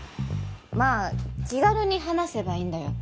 まあ気軽に話せばいいんだよ。